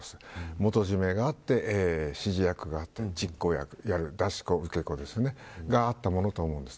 元締めがあって指示役があって、実行役出し子、受け子があったものだと思うんです。